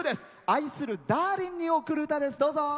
愛するダーリンに贈る歌です。